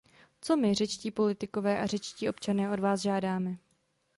Co my, řečtí politikové a řečtí občané, od vás žádáme?